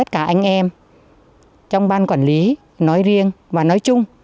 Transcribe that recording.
cả anh em trong ban quản lý nói riêng và nói chung